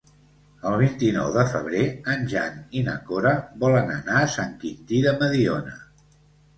El vint-i-nou de febrer en Jan i na Cora volen anar a Sant Quintí de Mediona.